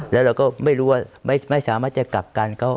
แล้วเราก็ไม่รู้ว่าไม่สามารถจะกลับกัน